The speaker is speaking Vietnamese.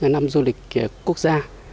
năm du lịch quốc gia